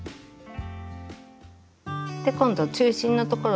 今度中心のところの。